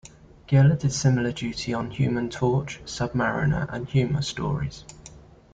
Giella did similar duty on Human Torch, Sub-Mariner, and humor stories.